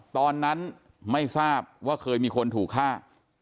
ตอนนั้นไม่ทราบว่าเคยมีคนถูกฆ่า